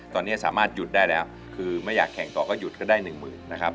ตอนนี้สามารถหยุดได้แล้วคือไม่อยากแข่งต่อก็หยุดก็ได้หนึ่งหมื่นนะครับ